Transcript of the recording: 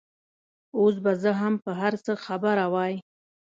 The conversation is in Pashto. اوس به زه هم په هر څه خبره وای.